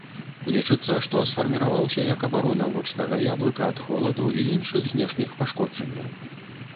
Лічыцца, што сфарміраваўся як абарона вочнага яблыка ад холаду і іншых знешніх пашкоджанняў.